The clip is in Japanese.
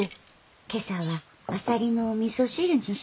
今朝はあさりのおみそ汁にしたんよ。